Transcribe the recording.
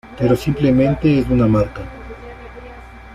Pero simplemente es una marca.